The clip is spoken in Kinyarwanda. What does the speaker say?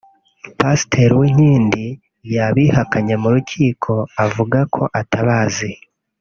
Pasiteri Uwinkindi yabihakanye mu rukiko avuga ko atabazi